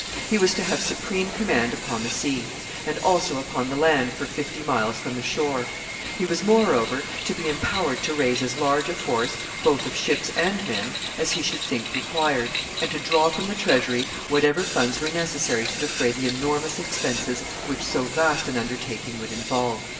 He was to have supreme command upon the sea, and also upon the land for fifty miles from the shore. He was, moreover, to be empowered to raise as large a force, both of ships and men, as he should think required, and to draw from the treasury whatever funds were necessary to defray the enormous expenses which so vast an undertaking would involve.